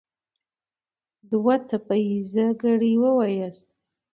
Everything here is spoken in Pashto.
دوه څپه ايزه ګړې وواياست.